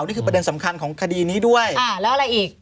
นี่คือประเด็นสำคัญของคดีนี้ด้วยค่ะแล้วอะไรอีก